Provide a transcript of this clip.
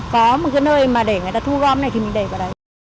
có một cái nơi mà để người ta thu gom này thì mình để vào đấy